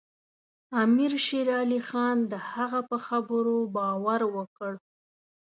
امیر شېر علي خان د هغه په خبرو باور وکړ.